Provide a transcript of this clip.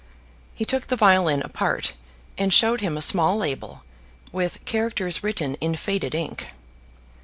He took the violin apart and showed him a small label with characters written in faded ink.